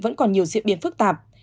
vẫn còn nhiều diễn biến phức tạp